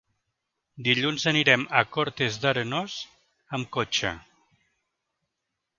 Dilluns anirem a Cortes d'Arenós amb cotxe.